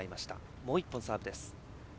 もう１本、サーブです。